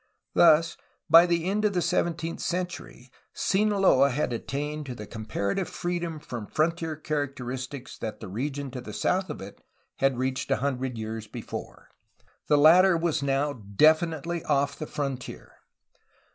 Thus, by the end of the seventeenth century Sinaloa had attained to the comparative freedom from frontier characteristics that the region to the south of it had reached a hundred years before. The latter was now definitely off the frontier.